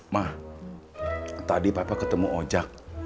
ma tadi papa ketemu ojak